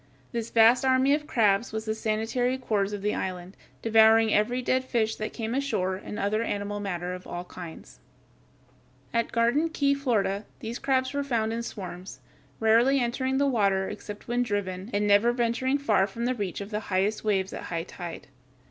This vast army of crabs was the sanitary corps of the island, devouring every dead fish that came ashore and other animal matter of all kinds. [Illustration: FIG. 147. A land crab (Gecarcinus).] At Garden Key, Florida, these crabs were found in swarms, rarely entering the water except when driven, and never venturing far from the reach of the highest waves at high tide.